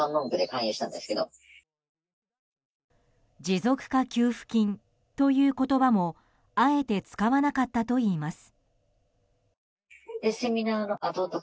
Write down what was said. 持続化給付金という言葉もあえて使わなかったといいます。